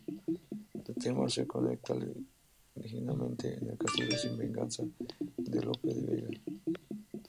El tema se conecta lejanamente con "El castigo sin venganza" de Lope de Vega.